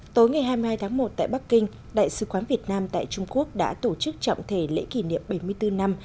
tối ngày hai mươi hai tháng một tại bắc kinh đại sứ quán việt nam tại trung quốc đã tổ chức trọng thể lễ kỷ niệm bảy mươi bốn năm